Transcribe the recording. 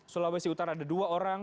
sulawesi utara ada dua orang